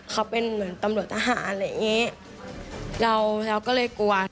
เขาเป็นเหมือนกับตำรวจทหารอะไรอย่างนี้